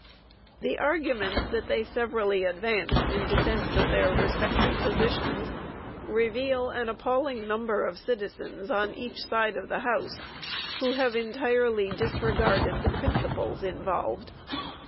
The arguments they severally advance in defense of their respective positions reveal an appalling number of citizens on each side of the house who have entirely disregarded the principles involved.